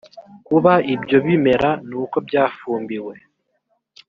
kuba ibyo bimera nuko byafumbiwe